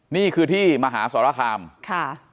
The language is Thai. นี้คือที่มหาสรคค